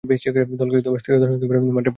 দলকে স্থিরতায় আনেন ও মাঠে প্রভূতঃ সফলতা পান।